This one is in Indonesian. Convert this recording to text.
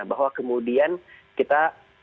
bahwa kemudian kita